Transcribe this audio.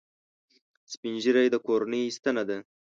سپین ږیری د کورنۍ ستنه ده